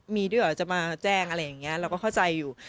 มีด้วยเหรอจะมาแจ้งอะไรอย่างนี้เราก็เข้าใจอยู่